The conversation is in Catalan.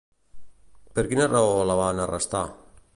Per quina raó la van arrestar?